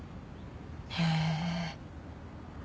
へえ。